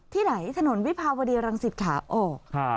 ที่ไหนถนนวิภาวดีรังสิตขาออก